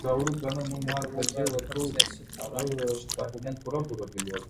حکومتونه بايد خپل سياسي پروګرامونه په شفافيت پلي کړي.